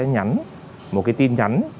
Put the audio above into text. nhắn một cái tin nhắn